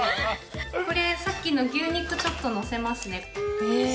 これ、さっきの牛肉ちょっと載せますね。